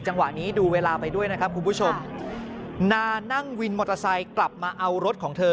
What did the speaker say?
จังหวะนี้ดูเวลาไปด้วยนะครับคุณผู้ชมนานั่งวินมอเตอร์ไซค์กลับมาเอารถของเธอ